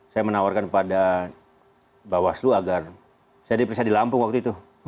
saya menawarkan pada bawaslu agar saya diperiksa di lampung waktu itu